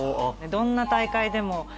どんな大会でも。